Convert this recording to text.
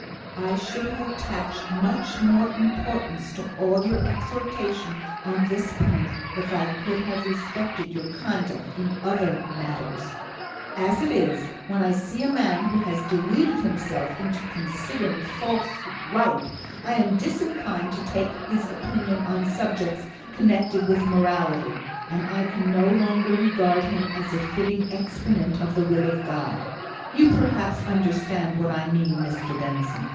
"I should have attached much more importance to all your exhortation on this point if I could have respected your conduct in other matters. As it is, when I see a man who has deluded himself into considering falsehood right, I am disinclined to take his opinion on subjects connected with morality; and I can no longer regard him as a fitting exponent of the will of God. You perhaps understand what I mean, Mr Benson.